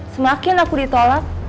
semakin aku ditolak